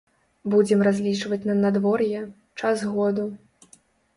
Будзем разлічваць на надвор'е, час году.